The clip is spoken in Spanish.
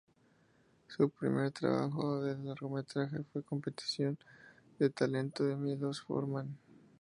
Su primer trabajo de largometraje fue "Competición de Talento" de Miloš Forman".